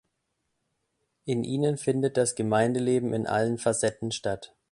In ihnen findet das Gemeindeleben in allen Facetten statt.